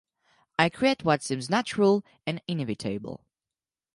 I create what seems natural and inevitable.